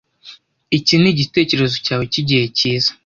Iki nigitekerezo cyawe cyigihe cyiza?